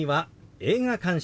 「映画鑑賞」。